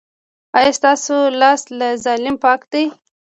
ایا ستاسو لاس له ظلم پاک دی؟